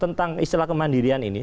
tentang istilah kemandirian ini